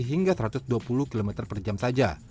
hingga satu ratus dua puluh km per jam saja